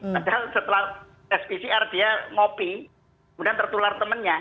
padahal setelah pcr dia ngopi kemudian tertular temennya